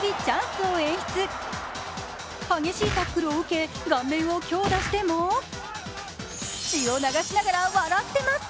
激しいタックルを受け、顔面を強打しても、血を流しながら笑ってます。